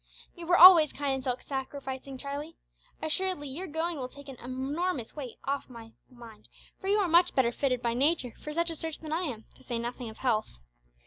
"You were always kind and self sacrificing, Charlie. Assuredly, your going will take an enormous weight off my mind, for you are much better fitted by nature for such a search than I am to say nothing of health.